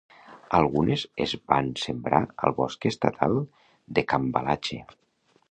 Algunes es van sembrar al Bosc Estatal de Cambalache.